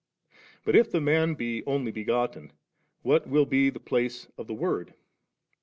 But if the Man be Only begotten, what will be the place of the Word ?